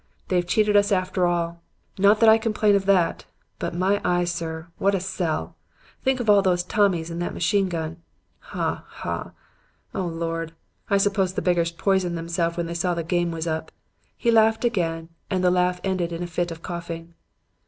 They've cheated us after all. Not that I complain of that. But, my eye, sir; what a sell! Think of all those Tommies and that machine gun. Ha! ha! Oh! Lord! I suppose the beggars poisoned themselves when they saw the game was up.' He laughed again and the laugh ended in a fit of coughing.